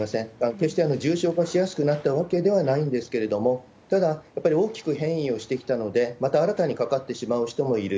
決して重症化しやすくなったわけではないんですけれども、ただ、やっぱり大きく変異をしてきたので、また新たにかかってしまう人もいる。